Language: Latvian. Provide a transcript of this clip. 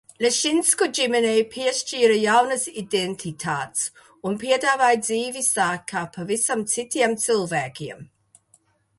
Lešinsku ģimenei piešķīra jaunas identitātes un piedāvāja dzīvi sākt kā pavisam citiem cilvēkiem.